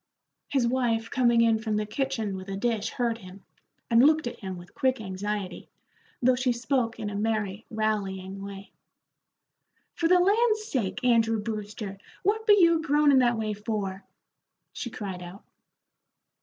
His wife coming in from the kitchen with a dish heard him, and looked at him with quick anxiety, though she spoke in a merry, rallying way. "For the land sake, Andrew Brewster, what be you groanin' that way for?" she cried out.